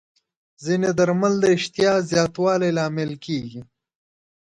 ځینې درمل د اشتها زیاتوالي لامل کېږي.